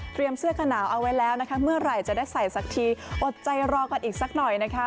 เสื้อขนาวเอาไว้แล้วนะคะเมื่อไหร่จะได้ใส่สักทีอดใจรอกันอีกสักหน่อยนะคะ